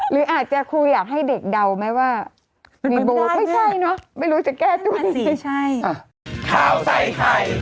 หรืออาจจะครูอยากให้เด็กเดาไหมว่าไม่ใช่เนอะไม่รู้จะแก้ด้วย